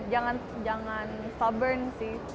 jangan sabar sih